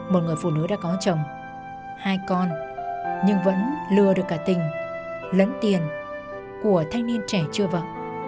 một người phụ nữ đã có chồng hai con nhưng vẫn lừa được cả tình lẫn tiền của thanh niên trẻ chưa vợ